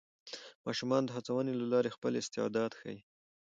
ماشومان د هڅونې له لارې خپل استعداد ښيي